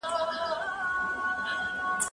زه چپنه نه پاکوم!.